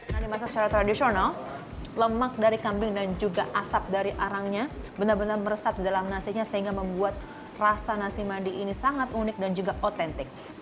nah dimasak secara tradisional lemak dari kambing dan juga asap dari arangnya benar benar meresap dalam nasinya sehingga membuat rasa nasi mandi ini sangat unik dan juga otentik